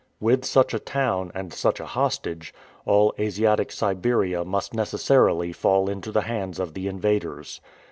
With such a town, and such a hostage, all Asiatic Siberia must necessarily fall into the hands of the invaders.